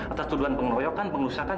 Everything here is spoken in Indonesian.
atas tuduhan pengnoyokan penglusakan